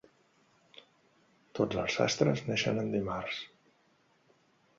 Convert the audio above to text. Tots els sastres neixen en dimarts.